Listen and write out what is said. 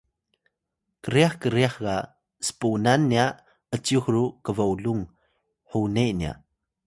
kryax kryax ga spunan nya ’cyux ru kbolung xune nya